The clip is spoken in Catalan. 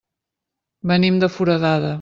Venim de Foradada.